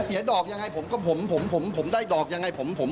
เสียดอกยังไงผมกับผมผมได้ดอกยังไงผมผม